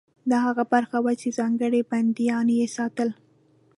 دا هغه برخه وه چې ځانګړي بندیان یې ساتل.